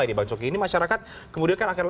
ini bang coki ini masyarakat kemudian kan akan